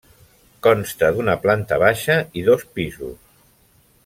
Consta d'una planta baixa i dos pisos.